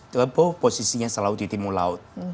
kerbau posisinya selalu di timur laut